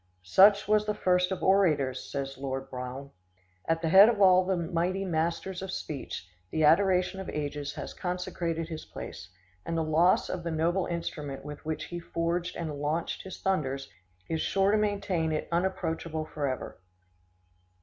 "Such was the first of orators," says Lord Brougham. "At the head of all the mighty masters of speech, the adoration of ages has consecrated his place, and the loss of the noble instrument with which he forged and launched his thunders, is sure to maintain it unapproachable forever."